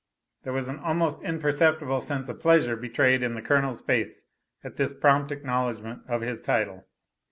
There was an almost imperceptible sense of pleasure betrayed in the Colonel's face at this prompt acknowledgment of his title.